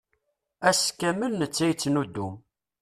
Ass kamel netta yettnuddum.